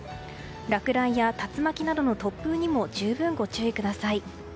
落雷や竜巻などの突風にも十分、ご注意ください。